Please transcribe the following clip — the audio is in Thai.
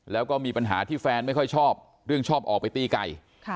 แล้วก็มีปัญหาที่แฟนไม่ค่อยชอบเรื่องชอบออกไปตีไก่